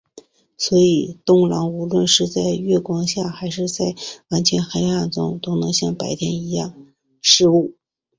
所以冬狼无论是在月光下还是在完全黑暗中都能像白天一样视物。